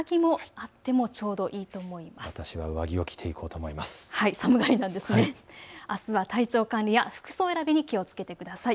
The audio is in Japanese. あすは体調管理や服装選びに気をつけてください。